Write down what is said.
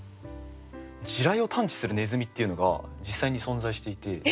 地雷を探知するネズミっていうのが実際に存在していて。